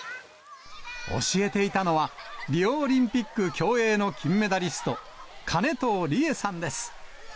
教えていたのは、リオオリンピック競泳の金メダリスト、金藤理絵さんです。